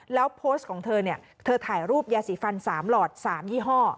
แล้วโพสต์ของเธอเนี่ยเธอถ่ายรูปยาสีฟัน๓หลอด๓ยี่ห้อ